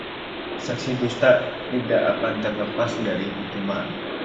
Saksi dusta tidak akan terlepas dari hukuman